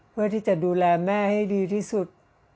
เพื่อที่จะดูแลแม่ให้ดีที่สุด